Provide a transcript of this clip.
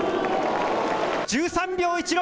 １３秒１６。